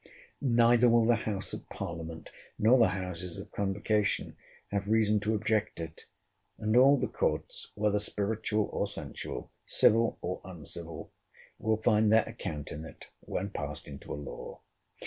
Neither will the house of parliament, nor the houses of convocation, have reason to object it. And all the courts, whether spiritual or sensual, civil or uncivil, will find their account in it when passed into a law.